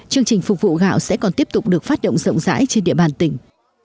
chương trình phục vụ gạo sẽ còn tiếp tục được phát động rộng rãi trên địa bàn tỉnh